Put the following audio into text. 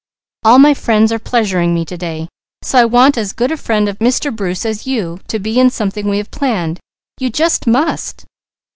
All my friends are pleasuring me to day. So I want as good a friend of Mr. Bruce as you, to be in something we have planned. You just must!"